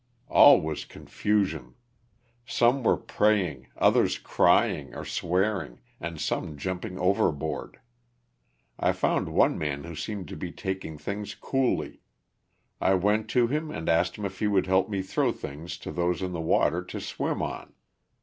All was confusion. Some were praying, others crying or swearing, and some jumping overboard. I found one man who seemed to be taking things coolly. I went to him and asked him if he would help me throw things to those in the water to swim on.